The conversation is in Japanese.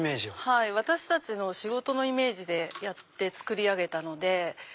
私たちの仕事のイメージでやって造り上げたので。